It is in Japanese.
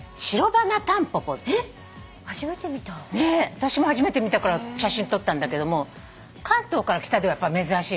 あたしも初めて見たから写真撮ったんだけども関東から北では珍しいみたい。